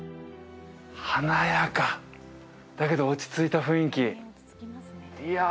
華やかだけど落ち着いた雰囲気いや